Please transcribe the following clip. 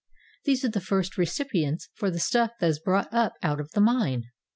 These are the first re cipients for the stuff that is brought up out of the mine.